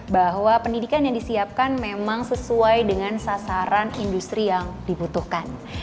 bahwa pendidikan yang disiapkan memang sesuai dengan sasaran industri yang dibutuhkan